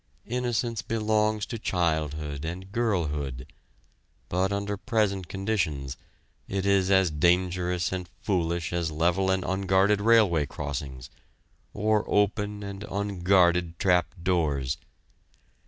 Innocence belongs to childhood and girlhood, but under present conditions, it is as dangerous and foolish as level and unguarded railway crossings, or open and unguarded trap doors.